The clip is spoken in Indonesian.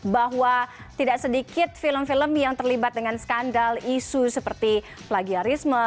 bahwa tidak sedikit film film yang terlibat dengan skandal isu seperti plagiarisme